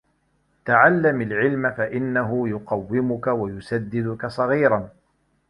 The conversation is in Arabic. تَعَلَّمْ الْعِلْمَ فَإِنَّهُ يُقَوِّمُك وَيُسَدِّدُك صَغِيرًا